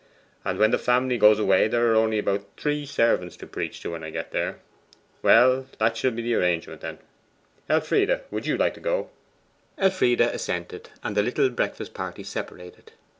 And when the family goes away, there are only about three servants to preach to when I get there. Well, that shall be the arrangement, then. Elfride, you will like to go?' Elfride assented; and the little breakfast party separated.